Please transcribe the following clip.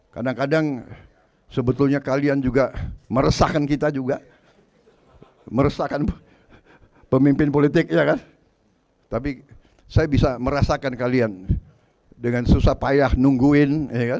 kadang kadang sebetulnya kalian juga meresahkan kita juga meresahkan pemimpin politiknya kan tapi saya bisa merasakan kalian dengan susah payah nungguin